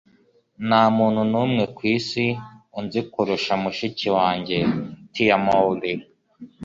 nta muntu n'umwe ku isi unzi kurusha mushiki wanjye. - tia mowry